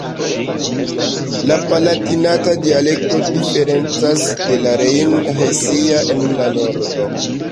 La Palatinata dialekto diferencas de la Rejn-Hesia en la Nordo.